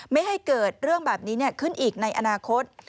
ไม่ให้เกิดเรื่องแบบนี้ขึ้นอีกในอนาคต